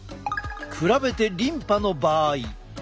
比べてリンパの場合。